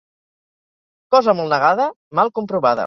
Cosa molt negada, mal comprovada.